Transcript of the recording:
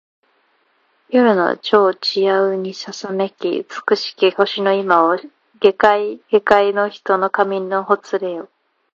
夜の帳ちやうにささめき尽きし星の今を下界げかいの人の髪のほつれよ